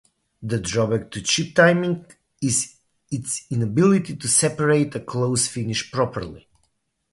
The drawback to chip timing is its inability to separate a close finish properly.